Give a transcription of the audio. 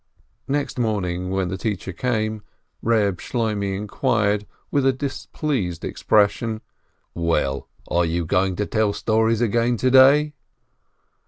Next morning when the teacher came, Reb Shloimeh inquired with a displeased expression : "Well, are you going to tell stories again to day